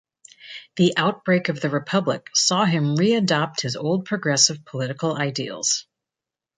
The outbreak of the Republic saw him re-adopt his old progressive political ideals.